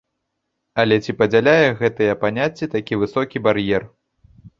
Але ці падзяляе гэтыя паняцці такі высокі бар'ер?